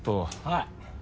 はい。